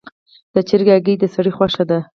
د چرګې هګۍ د سړي خوښه ده.